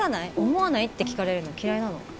思わない？って聞かれるの嫌いなの。